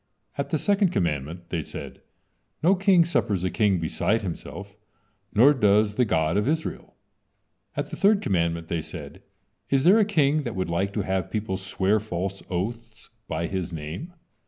At the second commandment they said: "No king suffers a king beside himself, nor does the God of Israel." At the third commandment they said: "Is there a king that would like to have people swear false oaths by his name?"